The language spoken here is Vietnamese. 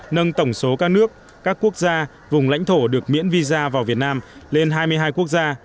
nâng tổng số các nước các quốc gia vùng lãnh thổ được miễn visa vào việt nam lên hai mươi hai quốc gia